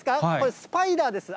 スパイダーです。